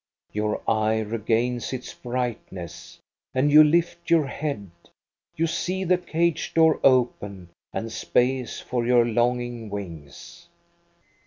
Your eye regains its brightness, and hu lift your head You see the cage door open and space for your longing wings.